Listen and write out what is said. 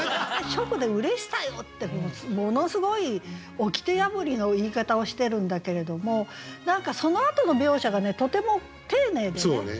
初句で「嬉しさよ」ってものすごいおきて破りの言い方をしてるんだけれども何かそのあとの描写がとても丁寧でね。